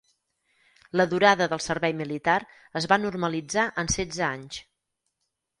La durada del servei militar es va normalitzar en setze anys.